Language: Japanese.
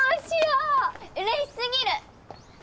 うれし過ぎる！